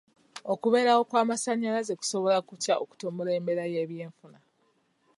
Okubeerawo kw'amasanyalaze kusobola kutya okutumbula embeera y'eby'enfuna?